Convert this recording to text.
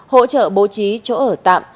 hỗ trợ bố trí chỗ ở tạm